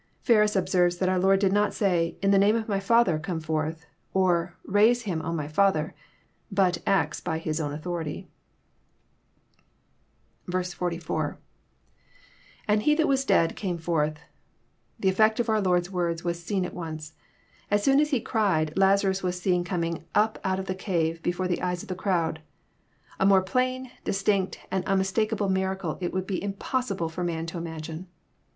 Feros observes that our Lord did not say, " In the name of my Father come forth," or " Raise Him, O my Father, but acts by His own authority. i^.^lAnd He that wa» dead came forthJ] The effect of our Lord's words was seen at once. As soon as He '* cried," Lazaras was seen coming up out of the cave, before the eyes of the crowd. A more plain, distinct, and unmistakable miracle it would be im possible for man to imagine.